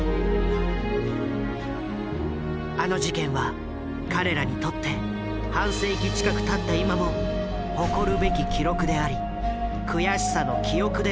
あの事件は彼らにとって半世紀近くたった今も誇るべき記録であり悔しさの記憶でもあるのだ。